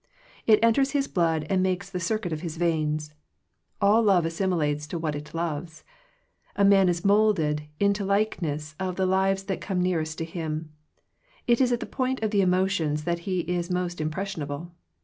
It enters his blood and makes the circuit of his veins. All love assimilates to what it loves." A man is moulded into like ness of the lives that come nearest him. It is at the point of the emotions that he is most impressionable.